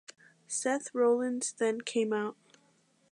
Seth Rollins then came out.